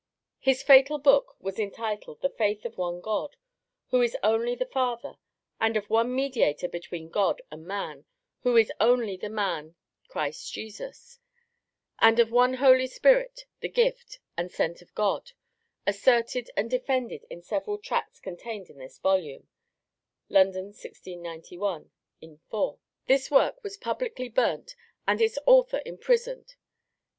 His fatal book was entitled _The Faith of one God, who is only the Father, and of one Mediator between God and man, who is only the man Christ Jesus; and of one Holy Spirit, the gift, and sent of God, asserted and defended in several tracts contained in this volume_ (London, 1691, in 4). This work was publicly burnt and its author imprisoned.